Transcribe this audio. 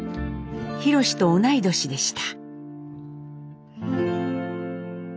ひろしと同い年でした。